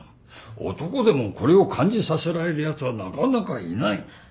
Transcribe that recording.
男でもこれを感じさせられるやつはなかなかいない。